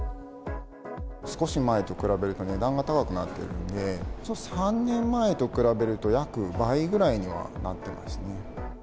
少し前と比べると、値段が高くなってるんで、３年前と比べると、約倍ぐらいにはなってますね。